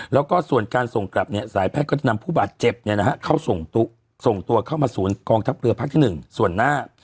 แล้วก็ส่วนการส่งกลับเนี้ยสายแพทย์ก็จะนำผู้บาดเจ็บเนี้ยนะฮะเข้าส่งตัวส่งตัวเข้ามาศูนย์กองทัพเรือภาคที่หนึ่งส่วนหน้า